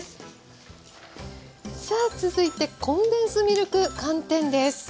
さあ続いてコンデンスミルク寒天です。